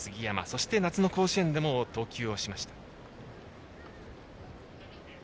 そして、夏の甲子園でも投球をしました。